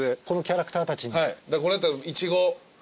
このキャラクターたちに？